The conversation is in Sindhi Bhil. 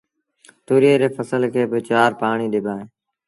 تُوريئي ري ڦسل کي با چآر پآڻيٚ ڏبآ اهيݩ